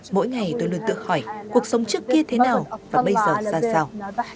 mỗi ngày tôi luôn tự hỏi cuộc sống trước kia thế nào và bây giờ ra sao